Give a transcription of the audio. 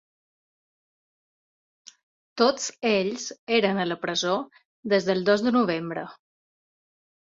Tots ells eren a la presó des del dos de novembre.